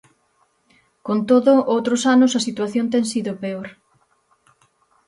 Con todo, outros anos a situación ten sido peor.